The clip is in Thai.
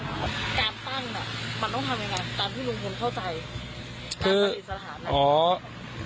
การตั้งมันต้องทำยังไงตามที่ลุงพลเข้าใจ